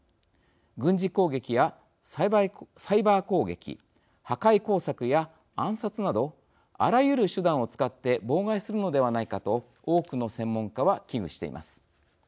軍事攻撃やサイバー攻撃破壊工作や暗殺などあらゆる手段を使って妨害するのではないかと多くの専門家は危惧しています。